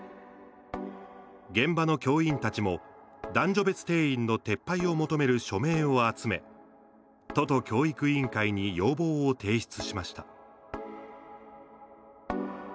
現場の教員たちも、男女別定員の撤廃を求める署名を集め都と教育委員会に要望を提出しました。